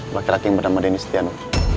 laki laki yang bernama denny stiano